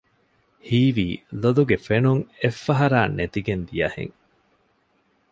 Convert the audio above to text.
ހީވީ ލޮލުގެ ފެނުން އެއްފަހަރާ ނެތިގެން ދިޔަހެން